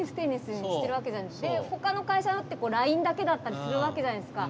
他の会社だってラインだけだったりするわけじゃないですか。